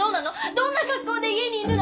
どんな格好で家にいるの？